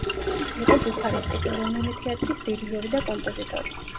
იყო ბუქარესტის ეროვნული თეატრის დირიჟორი და კომპოზიტორი.